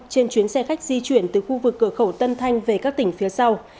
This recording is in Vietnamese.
trên chuyến xe khách di chuyển từ khu vực cửa khẩu tân thanh về các tỉnh phía sau